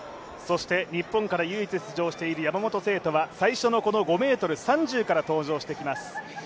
日本から唯一出場している山本聖途は最初の５ｍ３０から登場してきます。